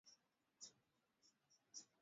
Acha kwa lisaa limoja hamira iumuke